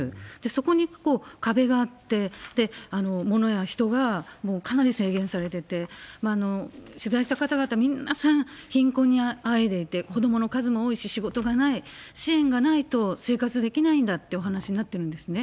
そこに壁があって、物や人がもうかなり制限されてて、取材した方々皆さん貧困にあえいでいて、子どもの数も多いし、仕事がない、支援がないと生活できないんだってお話になってるんですね。